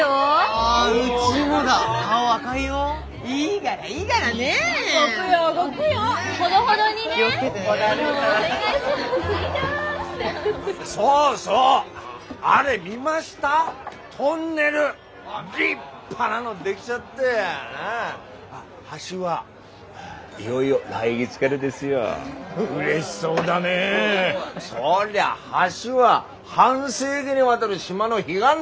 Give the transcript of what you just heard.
そりゃ橋は半世紀にわたる島の悲願ですもん。